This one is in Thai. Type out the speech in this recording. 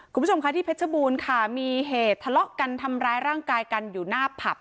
คุณผู้ชมค่ะที่เพชรบูรณ์ค่ะมีเหตุทะเลาะกันทำร้ายร่างกายกันอยู่หน้าผับ